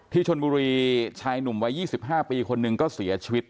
ที่ชนบุรีชายหนุ่มวัย๒๕ปีคนหนึ่งก็เสียชีวิต